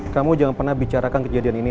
kamu jangan pernah bicarakan kejadian ini